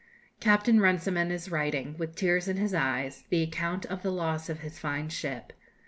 Captain Runciman is writing, with tears in his eyes, the account of the loss of his fine ship.